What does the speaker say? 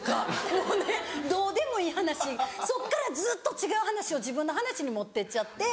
もうねどうでもいい話そっからずっと違う話を自分の話に持ってっちゃって。